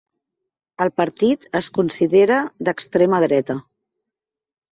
El partit es considera d'extrema dreta.